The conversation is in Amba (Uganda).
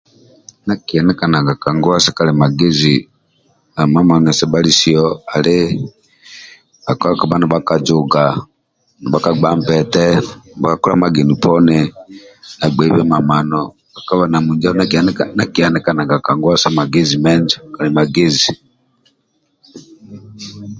Ndia akienikanaga ka nguwa sa kalimagezi ali mamano sebhalisio ali bhakpa kabha nibhali ka mamano ka juga nibhaka gba mpete ndia agbeibe mamano bhakpa bhanamunji nakienikanaga ndia akienikanaga ka nguwa menjo sa magezi kalimagezi